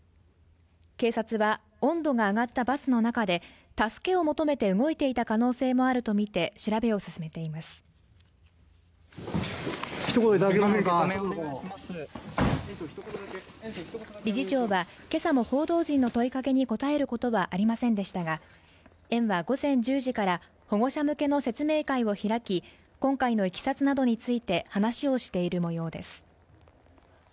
警察は温度が上がったバスの中で助けを求めて動いていた可能性もあるとみて調べを進めています理事長は今朝も報道陣の問いかけに答えることはありませんでしたが園は午前１０時から保護者向けの説明会を開き今回の経緯などについて話をしている模様です